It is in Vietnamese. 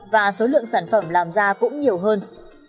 và số lượng sản phẩm làm ra cũng nhiều hơn